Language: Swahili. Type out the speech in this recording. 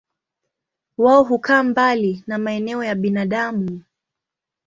Wao hukaa mbali na maeneo ya binadamu.